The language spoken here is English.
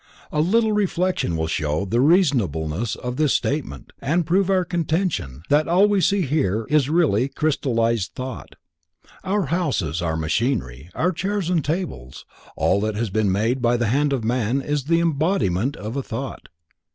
A little reflection will show the reasonableness of this statement and prove our contention that all we see here is really crystallized thought. Our houses, our machinery, our chairs and tables, all that has been made by the hand of man is the embodiment of a thought.